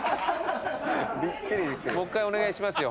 もう一回お願いしますよ